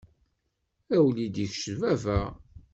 A wlidi kečč d baba.